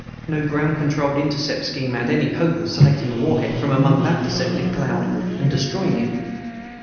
No ground controlled intercept scheme had any hope of selecting the warhead from among that deceptive cloud and destroying it.